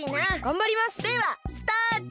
ではスタート！